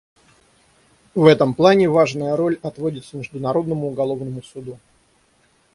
В этом плане важная роль отводится Международному уголовному суду.